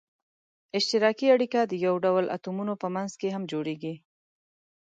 اشتراکي اړیکه د یو ډول اتومونو په منځ کې هم جوړیږي.